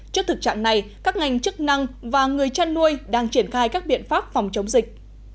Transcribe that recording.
trước thực trạng này các ngành chức năng và người chăn nuôi đang triển khai các biện pháp phòng chống dịch